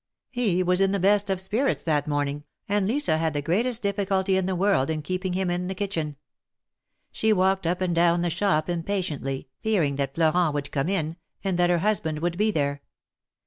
He was in the best of spirits that morning, and Lisa had the greatest difficulty in the world in keeping him in the kitchen. She walked up and down the shop impatiently, fearing that Florent would come in, and that her husband would be there.